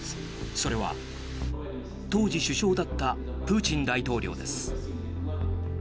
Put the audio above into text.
それは当時、首相だったプーチン大統領です。